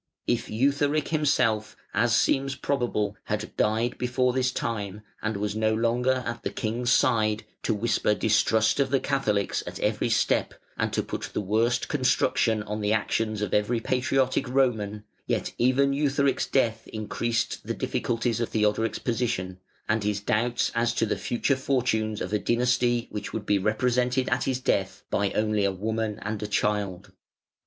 If Eutharic himself, as seems probable, had died before this time, and was no longer at the King's side to whisper distrust of the Catholics at every step, and to put the worst construction on the actions of every patriotic Roman, yet even Eutharic's death increased the difficulties of Theodoric's position, and his doubts as to the future fortunes of a dynasty which would be represented at his death only by a woman and a child.